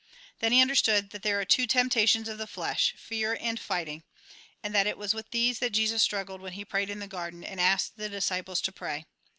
Then he understood that there are two temptations of the flesh, fear and fighting ; and that it was with these that Jesus struggled when he prayed in the garden, and asked the disciples to pray.